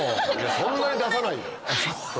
そんなに出さないよ。